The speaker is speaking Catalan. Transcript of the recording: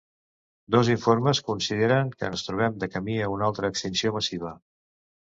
Dos informes consideren que ens trobem de camí a una altra extinció massiva.